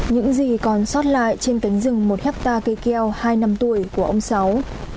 những gì còn sót lại trên cánh rừng một hectare cây keo hai năm tuổi của ông sáu